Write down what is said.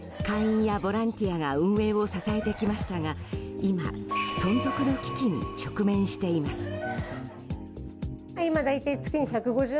会員やボランティアが運営を支えてきましたが今、存続の危機に直面しています。